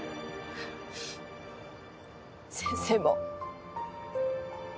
先生も。